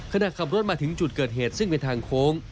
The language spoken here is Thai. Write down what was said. ขณะขับรถมาถึงจุดเกิดเหตุซึ่งเป็นทางโค้ง